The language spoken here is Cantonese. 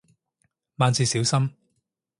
萬事小心